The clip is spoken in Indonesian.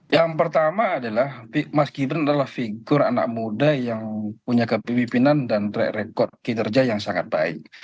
yang pertama adalah mas gibran adalah figur anak muda yang punya kepemimpinan dan track record kinerja yang sangat baik